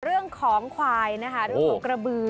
เรื่องของควายนะคะเรื่องของกระบือ